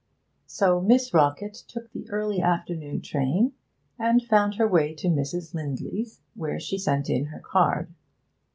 So Miss Rockett took the early afternoon train, and found her way to Mrs. Lindley's, where she sent in her card.